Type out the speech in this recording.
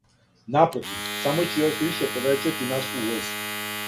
Напротив, само ће још више повећати наш увоз.